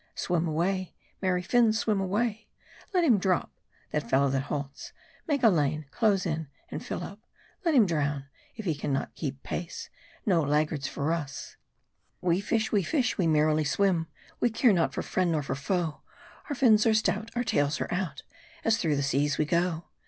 Swim away ; merry fins, swim away ! Let him drop, that fellow that halts ; make a lane ; close in, and fill up. Let him drown, if he can not keep pace. No laggards for us : We fish, we fish, we merrily Swim, We care not for friend nor for foe . Our fins are stout, Our tails are out, As through the seas we go.